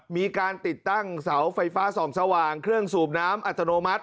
มีการติดตั้งเสาไฟฟ้าส่องสว่างเครื่องสูบน้ำอัตโนมัติ